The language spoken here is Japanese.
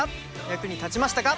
役に立ちましたか？